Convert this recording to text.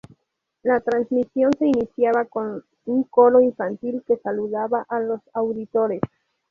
La trasmisión se iniciaba con un coro infantil que saludaba a los auditores.